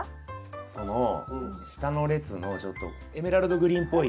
その下の列のちょっとエメラルドグリーンっぽい。